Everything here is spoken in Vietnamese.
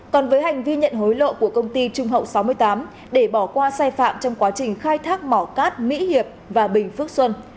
còn với hành vi nhận hối lộ của công ty trung hậu sáu mươi tám để bỏ qua sai phạm trong quá trình khai thác mỏ cát mỹ hiệp và bình phước xuân